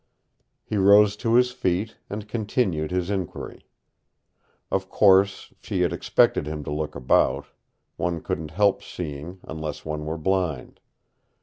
He rose to his feet and continued his inquiry. Of course she had expected him to look about. One couldn't help seeing, unless one were blind.